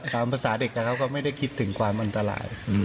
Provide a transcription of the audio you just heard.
ภาษาเด็กเขาก็ไม่ได้คิดถึงความอันตราย